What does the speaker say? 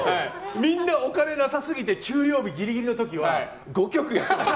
みんな、お金なさすぎて給料日、ギリギリの時は５曲やりました。